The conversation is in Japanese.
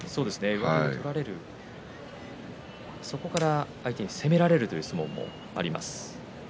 上手を取られるそこから相手に攻められる相撲もあります。